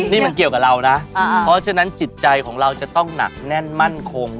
นี่มันเกี่ยวกับเรานะเพราะฉะนั้นจิตใจของเราจะต้องหนักแน่นมั่นคง